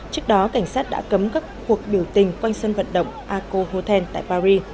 trước đó cảnh sát đã cấm các cuộc biểu tình quanh sân vận động arco hotel tại paris